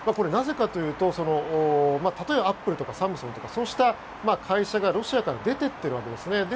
なぜかというと例えばアップルとかサムスンとかそうした会社がロシアから出ていってるわけですね。